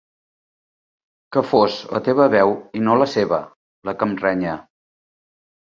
Que fos la teva veu i no la seva, la que em renya.